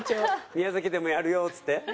宮崎でもやるよっつって？